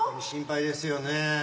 心配ですよね。